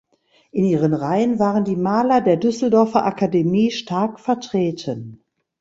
In ihren Reihen waren die Maler der Düsseldorfer Akademie stark vertreten.